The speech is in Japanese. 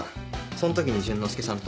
そん時に淳之介さんと。